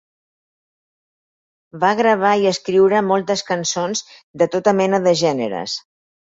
Va gravar i escriure moltes cançons de tota mena de gèneres.